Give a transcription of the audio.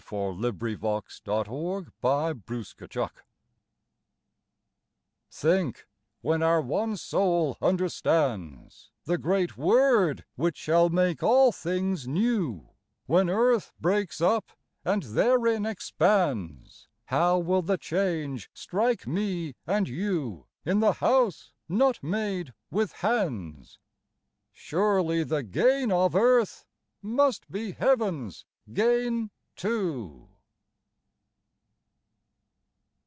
See — the Christ stands !*' Hll Ubings IRew, "Think when our one soul understands The great Word which shall make all things new, When earth breaks up and therein expands, How will the change strike me and you bg IRobcrt drowning. 27 In the house not made with hands ? Surely the gain of earth must be Heaven's gain too."